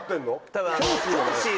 多分。